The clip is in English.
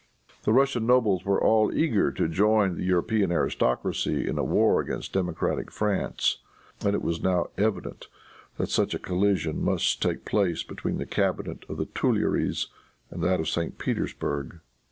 The Russian nobles were all eager to join the European aristocracy in a war against democratic France, and it was now evident that soon a collision must take place between the cabinet of the Tuileries and that of St. Petersburg.